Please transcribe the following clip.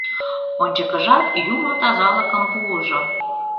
— Ончыкыжат юмо тазалыкым пуыжо.